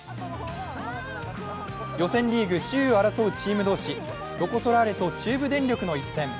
予選リーグ首位を争うチーム同士、ロコ・ソラーレと中部電力の一戦。